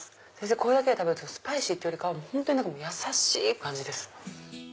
これだけで食べるとスパイシーというよりかはやさしい感じです。